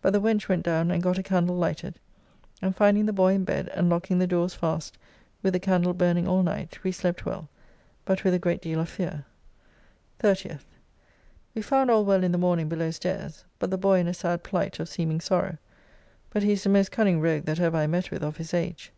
But the wench went down and got a candle lighted, and finding the boy in bed, and locking the doors fast, with a candle burning all night, we slept well, but with a great deal of fear. 30th. We found all well in the morning below stairs, bu the boy in a sad plight of seeming sorrow; but he is the most cunning rogue that ever I met with of his age.